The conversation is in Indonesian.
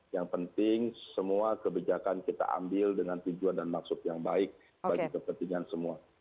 yang penting semua kebijakan kita ambil dengan tujuan dan maksud yang baik bagi kepentingan semua